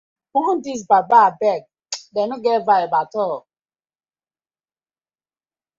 Bone dis pipu abeg, dem no get vibes atol.